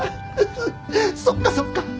そっかそっか。